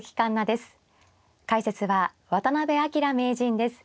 解説は渡辺明名人です。